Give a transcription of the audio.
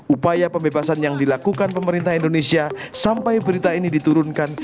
upaya pembebasan yang dilakukan pemerintah indonesia sampai berita ini diturunkan